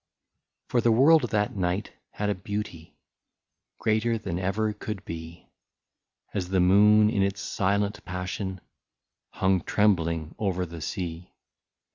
For the world that night had a beauty, Greater than ever could be, As the moon in its silent passion Hung trembling over the sea.